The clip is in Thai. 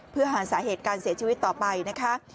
เพื่อหาสาเหตุการเสียชีวิตต่อไปนะคะ